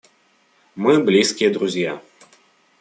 Мы близкие друзья.